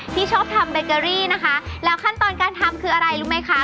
ที่ชอบทำเบเกอรี่นะคะแล้วขั้นตอนการทำคืออะไรรู้ไหมคะ